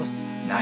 何！？